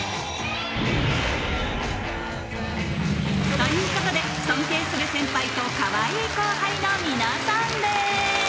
ということで尊敬する先輩とかわいい後輩の皆さんです